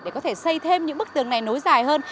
để có thể xây thêm những bức tường này nối dài hơn